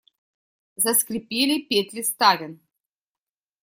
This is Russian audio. Заскрипели петли ставен.